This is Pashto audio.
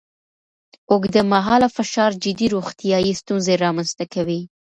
اوږدمهاله فشار جدي روغتیایي ستونزې رامنځ ته کوي.